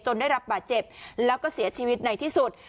ได้รับบาดเจ็บแล้วก็เสียชีวิตในที่สุด